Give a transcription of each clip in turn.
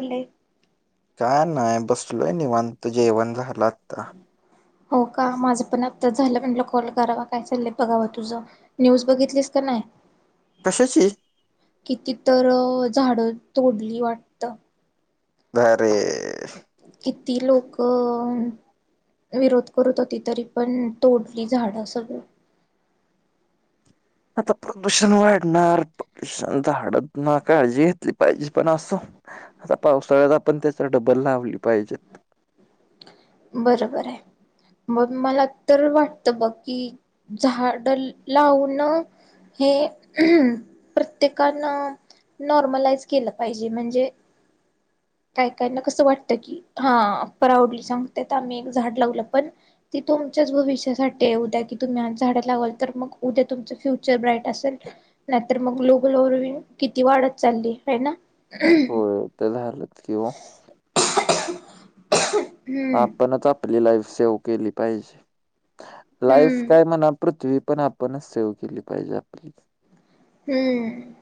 ले काय नाही बसलोय निवन तो जेवण झालं आता हो का माझं पण आता झालं म्हणटला कॉल करावा काय चाललंय बघाव तुझं न्यूज बघितलीस का नाही कश्याची? किती तर झाडं तोडली वाट अरे किती लोक विरोध करत होती तरी पण तोडली झाडं सगळं आता प्रदूषण वाढणार प्रदषण झाड काळजी घेतली पाहिजे पण असो आता पावसाळ्याला पण त्याच डबल लावली पाहिजेत बरोबर आहे. मं मला तरं वाटतं बघं कि झाडं लावूनं हे प्रत्येकानं नॉर्मलाईज केलं पाहिजे म्हणजे कायं कायं नां कसं वाटतं की हां प्राऊडली सांगते आम्हीं एक झाडं लावलं पणं ती तुमच्यांच भविष्यांसाठी उद्यां की तुम्हीं आंज झाडं लावालं तरं मंग उद्यां तुमचं फ्युचर ब्राईट असेल. नाहीतर मग ग्लोबल वर्मिंग किती वाढत चालली हाय ना. होय ते तर झालं च किं ओ. हम्म आपणच आपली लाईफ सेव केली पाहिजे. लाईफ हम्म काय म्हणा पृथ्वी पण आपणच सेव केली पाहिजे आपली. हम्म.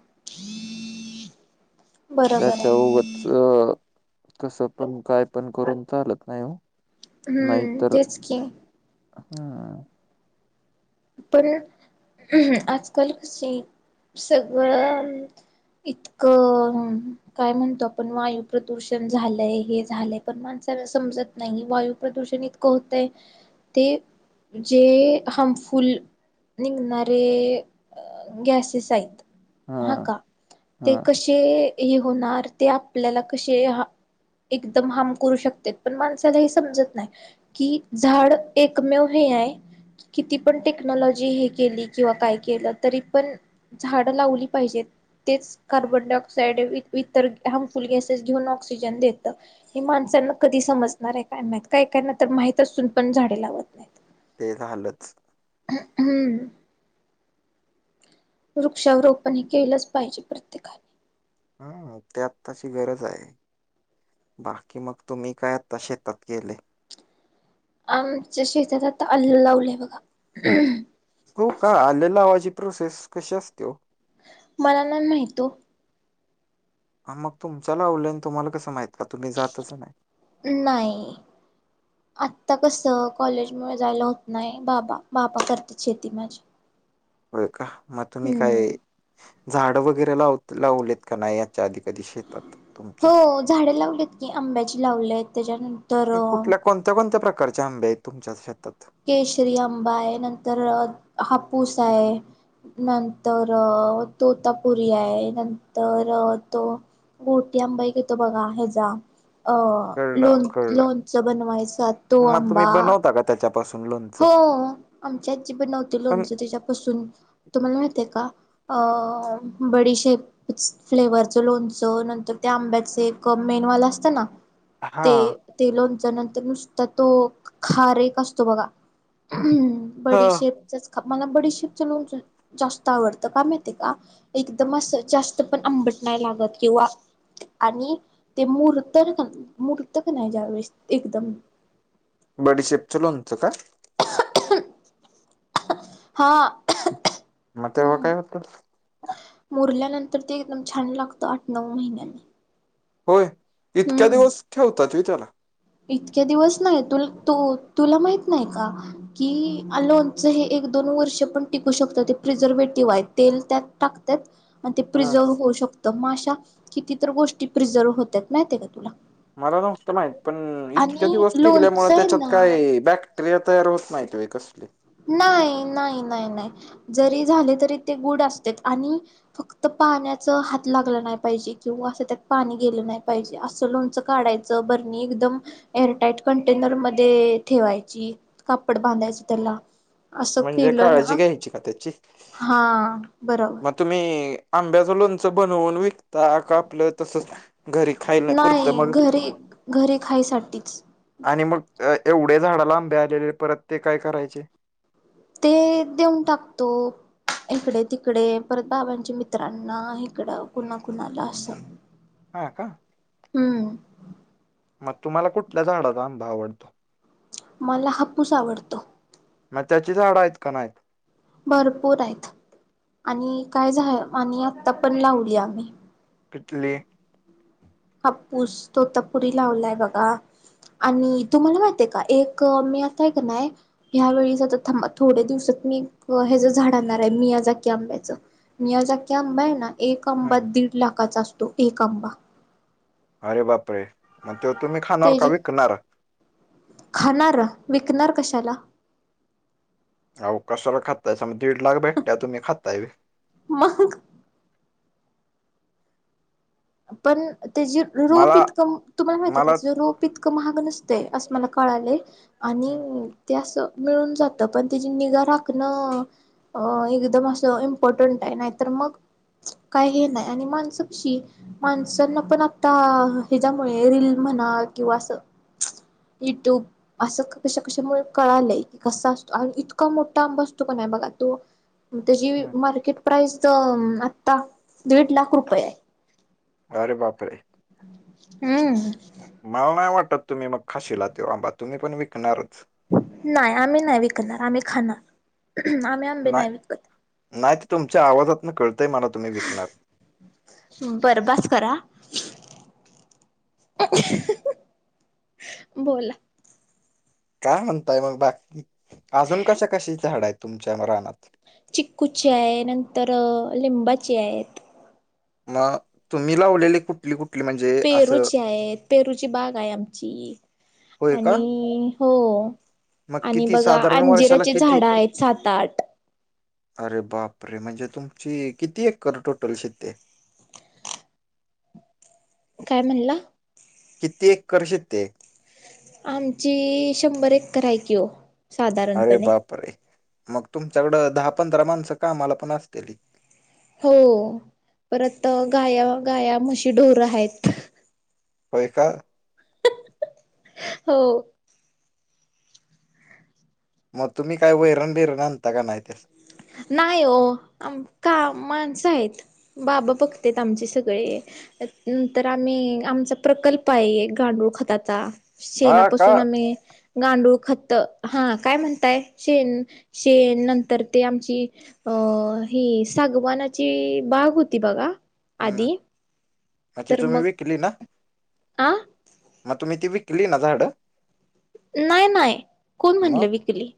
बरोबर आहे त्याच्याोबतच तस पण काय पण करून चालत नाही हो. हम्म नाहीतर तेच की हम्. पण आजकाल कस सगळं इतकं काय म्हणतो आपण वायू प्रदूषण झालंय हे झालंय पण माणसाला समजत नाही वायू प्रदूषण इतकं होतंय ते जे हं म फुल निघणारे गॅसेस आहेत. हा का ते हा कसे हे होणार ते आपल्याला कसे, एकदम हाम करू शकत्यात पण माणसाला हे समजत नाही. कि झाड एकमेव हे आहे किती पण टेक्नॉलॉजी हे केली किंवा काय केलं तरी पण झाड लावली पाहिजेत. तेच कार्बन डायऑक्साइड इतर हार्मफुल गॅसेस घेऊन ऑक्सिजन देतं. हे माणसांना कधी समजणाराय काय नाहीत काय काय ना तर माहीत असून पण झाडे लावत नाही. ते झालंच. ह हम्म. वृक्षारोपणे केलंच पाहिजे प्रत्येकान. ह त्यात तशी गरज हाय. बाकी मग तुम्ही काय आता शेतात गेले. आमच्या शेतात आता आलं लावलं बघा. हो का आल लावायची प्रोसेस कशी असते ओ. मला नाही माहीत ओ. ह मग तुमच्या लावलं तुम्हाला कसं माहित का तुम्ही जातचं नाही नाही. आता कसं कॉलेजमुळे जायला होत. नाही बाबा करता शेती माझी. होय का मग तुम्ही काय हम्म झाडं वगैरे लाव लावलेतं का नाही. याच्या आधी कधी शेतात तुमच्या? हो झाडे लावलीत. की आंब्याची लावलेय त्याच्यान कुठल्या कोणत्या कोणत्या प्रकारच्या आंबे आहेत तुमच्या शेतात. केशरी आंबा हाय. नंतर हापूस हाय. नंतर तोता पुुरी आहे नंतर तो मोठीआंबाईक तिथं आहे बघा जा. कळलं कळलं लोणचं बनवायचं तो आंबा. बघा त्याच्या पासून लोन हो आमची आजी बनवते पण लोणचं त्याच्यापासून तुम्हाला माहतीय का? अ. बडीशेप. फ्लेवर्स लोणचं नंतर त्या आंब्याचं एक मेण वालं असतं ना. हा ते लोणचं नंतर नुसता तो खारीक असतो बघा. हम्म हा बडीशेपचचं. मला बडीशेपचं लोणचं जास्त आवडतं का माहीत का एकदम असं जास्त, पण आंबट नाही. लागत किंवा आणि ते मुरत नाही. का ज्यावेेळेस एकदम बडीशेपचं लोणचं का. [unintelligible] हा. म तव काय होतं. मुरल्या नंतर ते एकदम छान लागतं आठ नऊ महिन्यानी होय इतक्या दिवस ठेवतात. होय त्याला इतके दिवस नाही तुला माहित नाही का. कि लोणचं हे एक दोन वर्ष पण टिकू शकतात ते प्रिझर्वेटिव्ह आहे तेल त्यातं टकट्यात. मग ते हा प्रिझर्व्ह होऊ शकतं मग अशा कितीत गोष्टी प्रिझर्व्ह होत्यात माहिती आहे का तुला मला नसत माहीत पण इतक्या आणि दिवस टिकल्या मुळे लोणचं आहे त्याच्यात ना काय बॅक्टरीय क्रिया तयार होत. नाहीत कसली नाय नाय नाय नाय. जरी झाले तरी ते गोड असते आणि फक्त पाण्याचं हात लागला नाही पाहिजे किंवा असं त्यात पाणी गेलं नाही. पाहिजे असं लोणचं काढायचं बरणी एकदम एअरटाईट कंटेनर मध्ये ठेवायची. कपडं बांधचं त्याला असं म्हणजे केलं ना काळजी घ्यायची का त्याची. हा, बरोबर. मग तुम्ही आंब्याचं लोणचं बनवून विकता का आपलं तसचं घरी खायला पुरतं नाही मगं घरी घरी खायसाठीच आणि मग एवढे झाडाला आंबे आलेले परत ते काय करायचे ते देऊन टाकतो. इकडे तिकडे परत बाबांच्या मित्रांना इकडं कुणाकुणाला असं हा का हम्म मग तुम्हाला कुठल्या झाडाचा आंबा आवडतो मला हापूस आवडतो मग त्याची झाडं आहेत का नाहीत भरपूर आहेत आणि काय झा आणि आता पण लावली आम्ही प्ले हप्पूस तो तर पुरी लावलाय बघा आणि तुम्हाला माहती आहे का एक मी असं आहे का ना ह्यावेेळी ज आ थांबा थोड्या दिवसात मी ह्याच झाड आणणार आहे मि याजकी आंब्याचं मी याज अख्या आंबा आहे ना एक आंबा ह दीड लाखाचा असतो एक आंबा अरे बाप रे म ते खाणार विकणार कशाला आव कशाला खाताय मग दीड लाख भेटत तुम्ही खातयं मगं. पण त्याची रोप मला इतकं तुम्हाला माहिती का मला रोप पितकं महाग नसतय असं मला कळाले आणि हम्म, ते असं मिळून जातं पण त्याची निगा राखणं अ एकदम असं इम्पॉर्टंट आहे नाहीतर मग काय हे नाही आणि माणसंशी माणसांना पण आता हच्यामुळे रीलील म्हणा किंवा अस इटू असं कशा कशामुळे कळालंय की कसा असतो आणि इतका मोठा आंब असतो का नाही बघा तो त्याची हम्म. मार्केट प्राइस आता दीड लाख रुपये आहे अरे बापरे हम् मला नाही वाटत तुम्ही मग खाशीला ते आंबा तुम्ही पण विकणारच नाही आम्ही नाही विकणार आम्ही खाणार आम्ही आंबे विकत नाही नाही ते तुमच्या आवाजातून कळतंय मला तुम्ही विकणार बर बास करा [unintelligible] बोला काय म्हणताय मग बाकी अजून कशा कशाची झाड आहेत तुमच्या रानात चिक्कूची आय नंतर लिंबाची आयत मग तुम्ही लावलेले कुठली कुठ पेरूची आहेत पेरूची बाग आहे आमची होय का आणि हो मग आणि किती बघा साधारण वर्षाला अंजिराची किती झाड आहेत सात आठ अरे बाप रे म्हणजे तुमची किती एकर टोटल शेती आय काय म्हणला किती एकर शेतीय आमची शंभर एकर हाय की ओ अरे साधारणपणे बाप रे मग तुमच्याकडं दहा पंधरा माणसं कामाला पण असतेली हो परत गाया गाया म्हशी ढोर हाईत होय का हो मग तुम्ही काय वैरण बिरण आणता का नाही त्यासनी नाही हो आम का माणसं आहेत बाबा बघत्येत आमचे सगळे त्यात नंतर आम्ही आमचा प्रकल्प आहे एक गांडूळ खताचा हा का शेणापासून आम्ही गांडूळ खत हा काय म्हणताय शेण शेण नंतर ते आमच्या की अ ही सागवानाची बाग होती बघा आधी अच्छा तर तुम्ही मग विकली ना आ तुम्ही ती विकली ना झाडं नाही नाही कोण म्हणलं मग विकली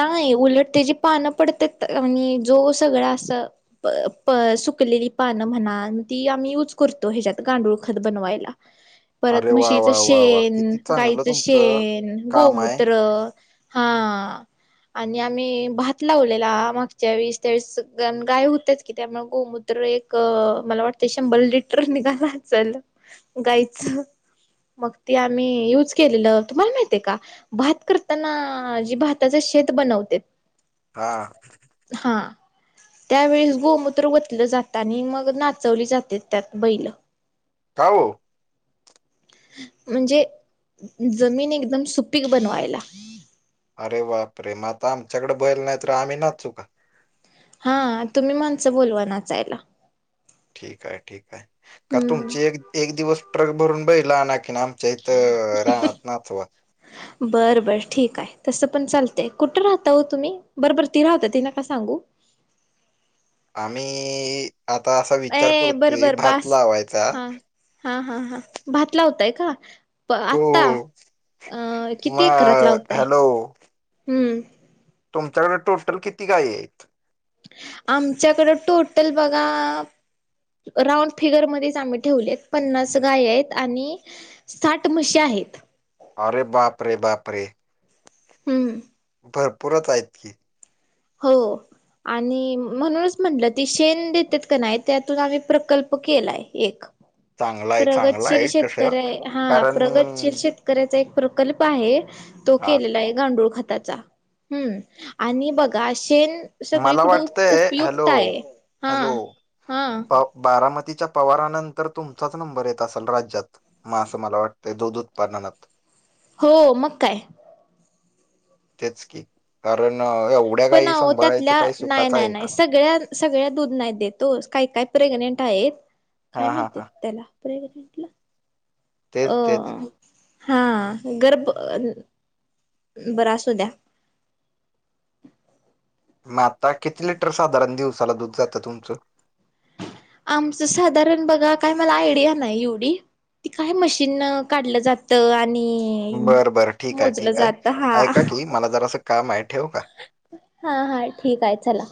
नाय उलट त्याची पानं पडतात आणि जो सगळा असं प प सुकलेली पानं म्हणा ती आम्ही यूज करतो ह्याच्यात गांडूळ खत बनवायला परत अरे वा म्हशीच वा वा वा शेण किती चांगलं गाईचं तुमचं शेण काम आहे गोमूत्र हा आणि आम्ही भात लावलेला मागच्या वेळेस त्या वेळेस गाय होतेच की त्यामुळे गोमुत त्र एक मला वाटतय शंभर लिटर निघाला असल गायीचं मग ते आम्ही युज केलेलं तुम्हाला माहित ते का भात करताना जे भाताच शेत बनवत्यात हा हा त्यावेळेस गोमूत्र वतलं जातं आणि मग नाचवली जात्यात त्यात बैल का ओ म्हणजे जमीन एकदम सुपीक बनवायला अरे बापरे रे म आता आमच्याकडे बैल नाहीतर आम्ही नाचू का हा तुम्ही माणसं बोलवा नाचायला ठीकाय ठीकाय का तुमची हम्म एक एक दिवस ट्रक भरून बैला आण की नाम- आमच्या हीथ रानात नाचवा बर बर ठीक आहे तसं पण चालतय कुठं राहता ओ तुम्ही बरबर ती राहूद्या ति नका सांगू आम्ही आता असा विचार ए बर करतोय बर भात बास लावायचा हा हा हा हा भात लावताय का प हो आता अ किती एकरात मग लावताय हम्म तुमच्याकड टोटल किती गाय आहेत आमच्याकडं टोटल बघा राऊंड फिगरमध्येच आम्ही ठेवलेत पन्नास गाय आहेत आणि साठ म्हशी आहेत अरे बापरे बापरे हम् भरपूरच आहेत की हो आणि म्हणूनच म्हटलं ती शेण देतात का नाही त्यातून आम्ही प्रकल्प केलाय एक चांगला आहे, चांगला प्रगतशील आहे तसं. शेतकऱ्या हा कारण प्रगतशील शेतकरी. शेतकर्‍याचा एक प्रकल्प आहे तो हां, केलेला आहे. गांडूळ खताचा हम् आणि बघा शेन मला सगळीकडं वाटतंय उपयुक्त हॅलो, आहे हा हॅलो हा प बारामतीच्या पवारानंतर तुमचाच नंबर येत असल राज्यात मग असं मला वाटतं दूध उत्पादनात हो मग काय तेच की कारण एवढ्या पण काही अहो सांभाळायचं त्यातल्या काही नाही सूकाच नाही आहे नाही का सगळ्या सगळ्या दूध नाही दे ओ काही काय प्रेग्नेंट आहेत काय हां, हां, म्हणतात हां. त्याला प्रेग्नंटला अ तेच तेच. हा गर्ब बरं असू द्या मग आता किती लिटर साधारण दिवसाला दूध जातं तुमचं आमचं साधारण बघा काय मला आयडिया नाही एवढी ती काय मशीन काढलं जातं आणि बर बरं ठीक आहे मोजलं ठीक जात हा आहे ऐका की मला जरासं काम आहे ठेवू का? हा हा ठीक आहे चला